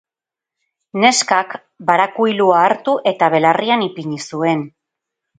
Neskak barakuilua hartu, eta belarrian ipini zuen.